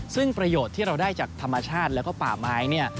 ซึ่งประโยชน์ที่เราได้จากธรรมชาติแล้วก็ป่าไม้เนี่ย